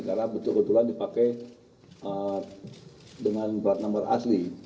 karena betul betulan dipakai dengan plat nomor asli